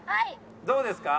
どうですか？